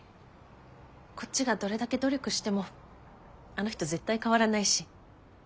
こっちがどれだけ努力してもあの人絶対変わらないし。